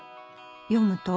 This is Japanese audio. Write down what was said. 読むと？